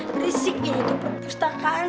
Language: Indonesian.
berisik ini tuh perpustakaan